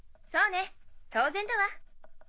そうね当然だわ。